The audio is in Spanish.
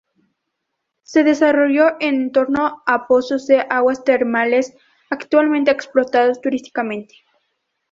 Se desarrolló en torno a pozos de aguas termales, actualmente explotados turísticamente.